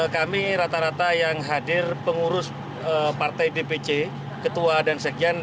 kami rata rata yang hadir pengurus partai dpc ketua dan sekian